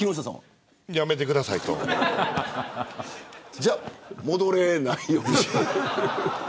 じゃあ戻れないよね。